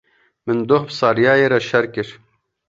Min doh bi Saryayê re şer kir.